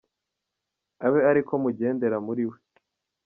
Abe ari ko mugendera muri we